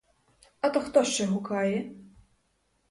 А то хто ще гукає?